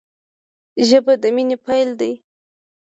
ژبه د مینې پیل دی